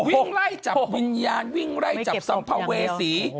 วิ่งไล่จับวิญญาณวิ่งไล่จับสัมภเวษี